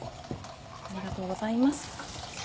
ありがとうございます。